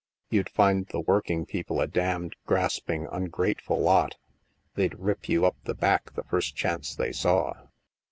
You'd find the working people a damned grasping ungrate ful lot. They'd rip you up the back the first chance they saw."